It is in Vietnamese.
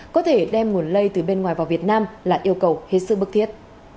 có thể đem nguồn lây từ bên ngoài vào việt nam là yêu cầu hết sức bức thiết